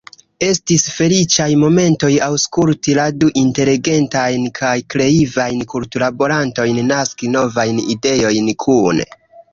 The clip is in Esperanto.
Estis feliĉaj momentoj aŭskulti la du inteligentajn kaj kreivajn ”kulturlaborantojn” naski novajn ideojn kune.